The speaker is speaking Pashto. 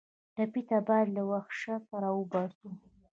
ټپي ته باید له وحشته راوباسو.